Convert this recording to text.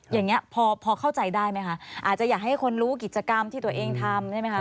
อย่างนี้พอเข้าใจได้ไหมคะอาจจะอยากให้คนรู้กิจกรรมที่ตัวเองทำใช่ไหมคะ